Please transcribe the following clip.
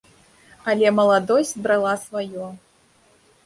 Але маладосць брала сваё.